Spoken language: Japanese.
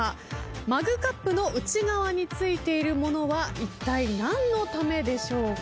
マグカップの内側についているものはいったい何のためでしょうか？